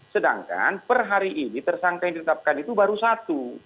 sedangkan per hari ini tersangka yang ditetapkan itu baru satu